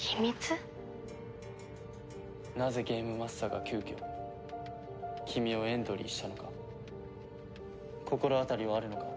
なぜゲームマスターが急きょ君をエントリーしたのか心当たりはあるのか？